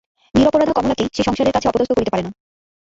নিরপরাধা কমলাকে সে সংসারের কাছে অপদস্থ করিতে পারে না।